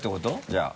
じゃあ。